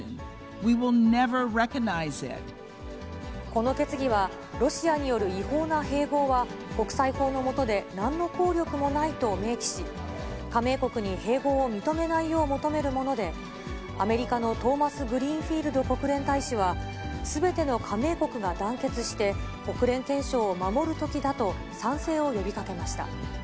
この決議は、ロシアによる違法な併合は国際法の下でなんの効力もないと明記し、加盟国に併合を認めないよう求めるもので、アメリカのトーマスグリーンフィールド国連大使は、すべての加盟国が団結して、国連憲章を守るときだと、賛成を呼びかけました。